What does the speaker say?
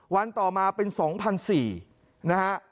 วันต่อมาเป็น๒๔๐๐นะฮะ